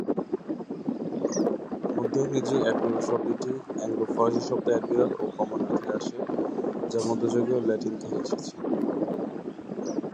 মধ্য ইংরেজির অ্যাডমিরাল শব্দটি অ্যাংলো ফরাসি শব্দ এডমিরাল ও কমান্ডার থেকে আসে, যা মধ্যযুগীয় ল্যাটিন ও থেকে এসেছে।